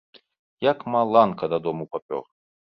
Як маланка, да дому папёр.